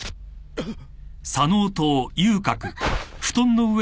あっ！